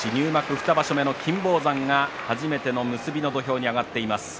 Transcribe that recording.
２場所目の金峰山が初めての結びの土俵に上がっています。